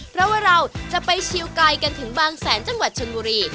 เพราะว่าเราจะไปชิวไกลกันถึงบางแสนจังหวัดชนบุรี